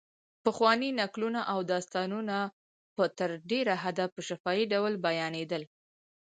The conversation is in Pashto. پخواني نکلونه او داستانونه په تر ډېره حده په شفاهي ډول بیانېدل.